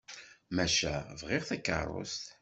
Maca bɣiɣ takeṛṛust.